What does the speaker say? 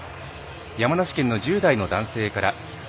山梨県の１０代の男性から。